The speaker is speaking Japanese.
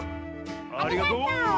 ありがとう！